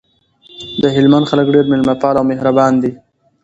دهلمند خلګ ډیر میلمه پاله او مهربان دي